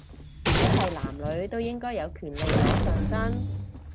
即係男女都應該有權利裸上身